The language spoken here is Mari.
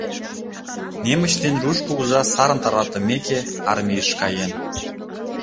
Немыч ден руш кугыжа сарым тарватымеке, армийыш каен.